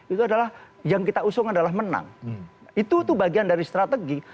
itu adalah yang kita usung adalah menang itu bagian dari strategi